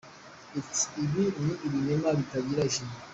Iti “Ibi ni ibinyoma bitagira ishingiro.